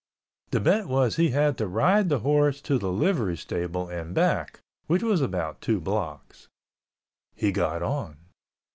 The bet was he had to ride the horse to the livery stable and back, which was about two blocks. He got on.